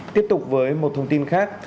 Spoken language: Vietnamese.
tiếp tục với một thông tin khác